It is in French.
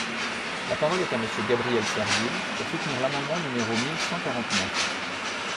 La parole est à Monsieur Gabriel Serville, pour soutenir l’amendement numéro mille cent quarante-neuf.